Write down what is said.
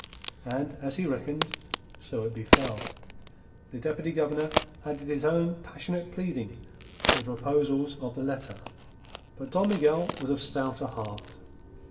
And as he reckoned so it befell. The Deputy Governor added his own passionate pleading to the proposals of the letter. But Don Miguel was of stouter heart.